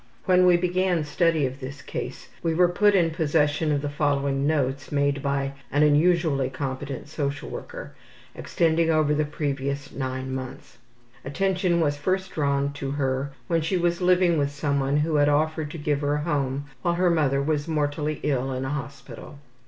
When we began study of this case we were put in possession of the following notes made by an unusually competent social worker, extending over the previous nine months. Attention was first drawn to her when she was living with someone who had offered to give her a home while her mother was mortally ill in a hospital.